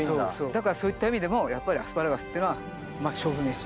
だからそういった意味でもやっぱりアスパラガスっていうのは勝負メシ。